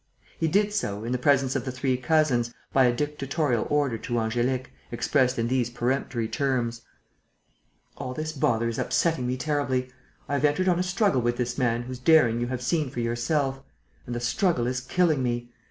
He did so, in the presence of the three cousins, by a dictatorial order to Angélique, expressed in these peremptory terms: "All this bother is upsetting me terribly. I have entered on a struggle with this man whose daring you have seen for yourself; and the struggle is killing me.